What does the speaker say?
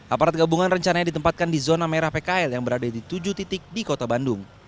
aparat gabungan rencananya ditempatkan di zona merah pkl yang berada di tujuh titik di kota bandung